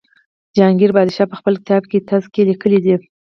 جهانګیر پادشاه په خپل کتاب تزک کې لیکلي دي.